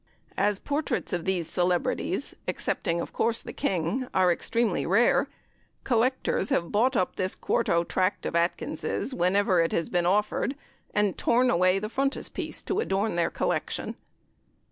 As portraits of these celebrities (excepting, of course, the King) are extremely rare, collectors have bought up this 4o tract of Atkyns', whenever it has been offered, and torn away the frontispiece to adorn their collection.